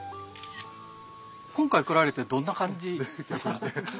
今回来られてどんな感じでした？